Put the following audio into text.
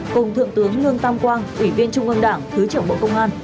cùng thượng tướng lương tam quang ủy viên trung ương đảng thứ trưởng bộ công an